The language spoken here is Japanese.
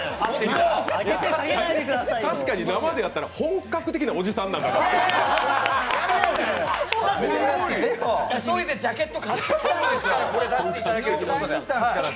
確かに生で会ったら本格的なおじさんやから。